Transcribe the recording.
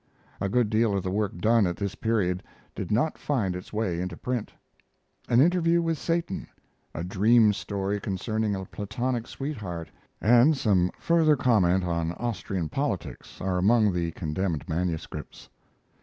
A good deal of the work done at this period did not find its way into print. An interview with Satan; a dream story concerning a platonic sweetheart, and some further comment on Austrian politics, are among the condemned manuscripts.